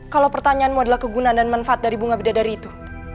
kalau pertanyaanmu adalah kegunaan dan manfaat dari bunga beda dari itu